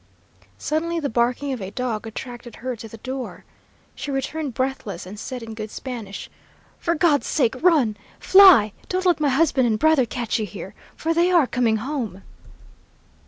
"Suddenly the barking of a dog attracted her to the door. She returned breathless, and said in good Spanish: 'For God's sake, run! Fly! Don't let my husband and brother catch you here, for they are coming home.'